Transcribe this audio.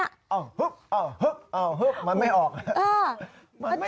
อ้าวฮึ๊บอ้าวฮึ๊บอ้าวฮึ๊บมันไม่ออก